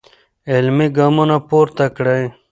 عملي ګامونه پورته کړئ.